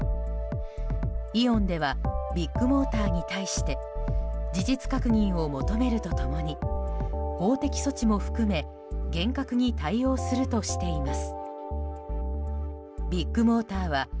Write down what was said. イオンではビッグモーターに対して事実確認を求めると共に法的措置も含め厳格に対応するとしています。